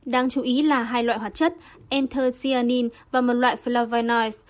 đáng chú ý là hai loại hoạt chất enthocyanin và một loại flavonoid